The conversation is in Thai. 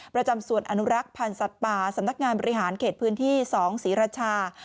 ประจำส่วนอนุรักษ์พันธ์สัตว์ป่าสำนักงานบริหารเขตพื้นที่๒ศรีราชา